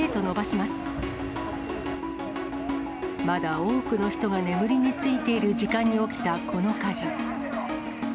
まだ多くの人が眠りについている時間に起きたこの火事。